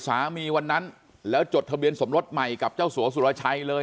วันนั้นแล้วจดทะเบียนสมรสใหม่กับเจ้าสัวสุรชัยเลย